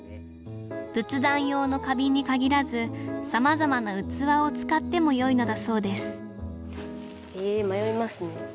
仏壇用の花瓶に限らずさまざまな器を使ってもよいのだそうですえ迷いますね。